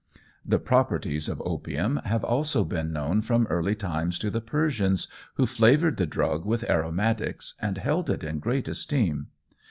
The properties of opium have also been known from early times to the Persians, who flavoured the drug with aromatics, and held it in great esteem.